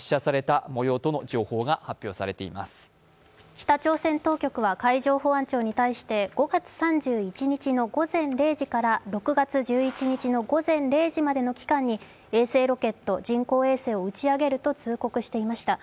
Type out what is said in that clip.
北朝鮮当局は海上保安庁に対して５月３１日の午前０時から６月１１日午前０時までの間に衛星ロケット、人工衛星を打ち上げると通告していました。